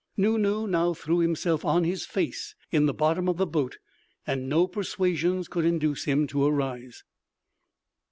Nu Nu now threw himself on his face in the bottom of the boat, and no persuasions could induce him to arise.